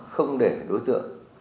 không để đối tượng